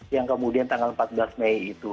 yang kemudian tanggal empat belas mei itu